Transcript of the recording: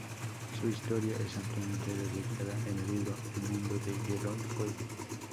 Su historia es ampliamente detallada en el libro "El mundo de hielo y fuego".